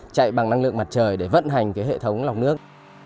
chạy bằng năng lượng mặt trời để vận hành cái hệ thống lọc nước